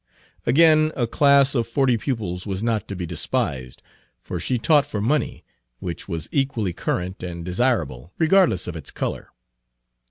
Again, a class of forty pupils was not to be despised, for she taught for money, which was equally current and desirable, regardless of its color.